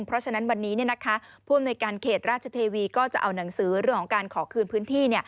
เพราะฉะนั้นวันนี้ผู้อำนวยการเขตราชเทวีก็จะเอาหนังสือเรื่องของการขอคืนพื้นที่